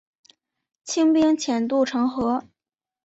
清兵潜渡城河。